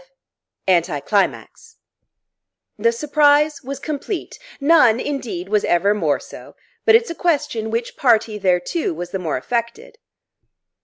V ANTICLIMAX The surprise was complete; none, indeed, was ever more so; but it's a question which party thereto was the more affected.